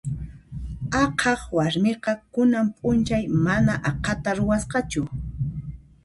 Aqhaq warmiqa kunan p'unchay mana aqhata ruwasqachu.